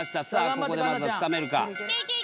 ここでまずは掴めるか？